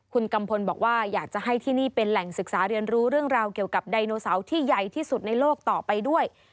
คุณกัมพลบอกว่าอยากจะให้ที่นี่เป็นแหล่งศึกษาเรียนรู้เรื่องราวเกี่ยวกับไดโนเสาร์ที่ใหญ่ที่สุดในโลกต่อไปด้วย